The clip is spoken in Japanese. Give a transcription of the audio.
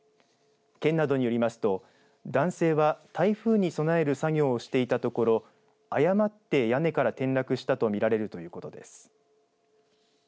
県などによりますと男性は、台風に備える作業をしていたところ誤って屋根から転落したと見られるということです。